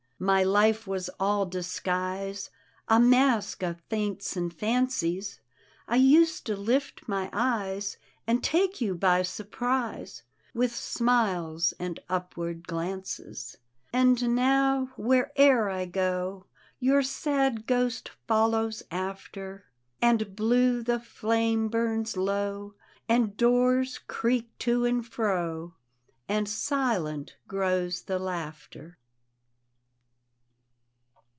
My life was all di^uise, A mask of feints and fancies; I used to lift my eyes, And take you by surprise With smiles and upward glances. And now, where'er I go. Your sad ghost follows after; And blue the flame bums low. And doors creak to and fro. And silent grows the laughter.